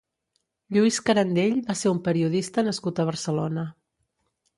Lluís Carandell va ser un periodista nascut a Barcelona.